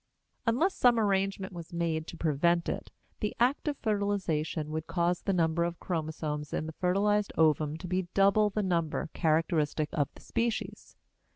Unless some arrangement was made to prevent it, the act of fertilization would cause the number of chromosomes in the fertilized ovum to be double the number characteristic of the species.